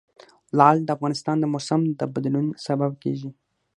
لعل د افغانستان د موسم د بدلون سبب کېږي.